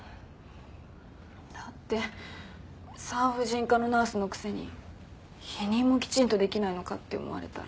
だって産婦人科のナースのくせに避妊もきちんとできないのかって思われたら。